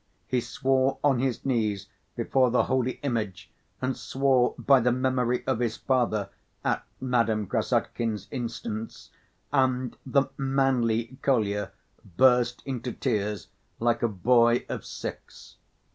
He swore on his knees before the holy image, and swore by the memory of his father, at Madame Krassotkin's instance, and the "manly" Kolya burst into tears like a boy of six.